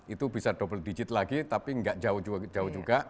itu bisa double digit lagi tapi nggak jauh juga